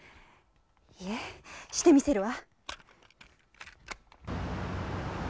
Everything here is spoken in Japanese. いえしてみせるわ。